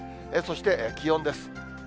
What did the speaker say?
そして気温です。